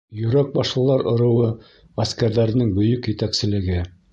ЙӨРӘК БАШЛЫЛАР ЫРЫУЫ ҒӘСКӘРҘӘРЕНЕҢ БӨЙӨК ЕТӘКСЕЛЕГЕ